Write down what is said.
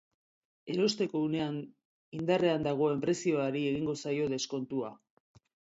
Erosteko unean indarrean dagoen prezioari egingo zaio deskontua.